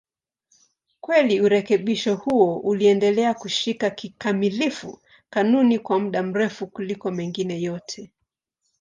Kweli urekebisho huo uliendelea kushika kikamilifu kanuni kwa muda mrefu kuliko mengine yote.